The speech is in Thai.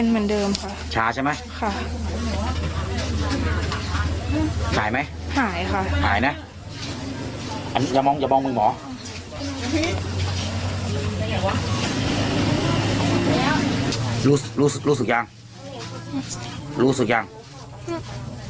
รู้สึกไหมไม่รู้สึกยังรู้สึกไหมรู้สึกไงรู้สึกชาค่ะ